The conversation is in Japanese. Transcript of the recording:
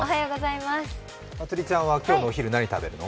まつりちゃんは今日のお昼は何食べるの？